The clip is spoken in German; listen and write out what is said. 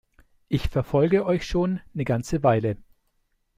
Ich verfolge euch schon 'ne ganze Weile.